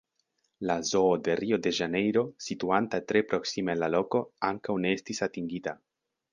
La Zoo de Rio-de-Ĵanejro, situanta tre proksime al la loko, ankaŭ ne estis atingita.